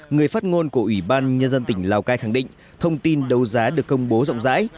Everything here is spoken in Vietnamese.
người phát ngôn của ủy ban nhân dân tỉnh lào cai khẳng định thông tin đấu giá được công bố rộng rãi